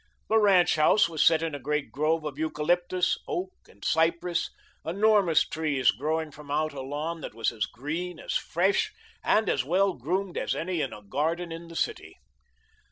The ranch house was set in a great grove of eucalyptus, oak, and cypress, enormous trees growing from out a lawn that was as green, as fresh, and as well groomed as any in a garden in the city.